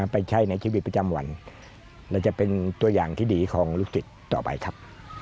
ไปใช้ในชีวิตประจำวันและจะเป็นตัวอย่างที่ดีของลูกศิษย์ต่อไปครับ